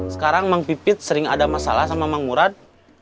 sekarang mang pipit sering ada masalah sama mang murad